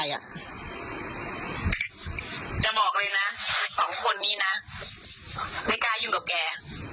จะบอกเลยนะสองคนนี้นะไม่กล้าอยู่กับแก